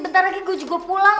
bentar lagi gue juga pulang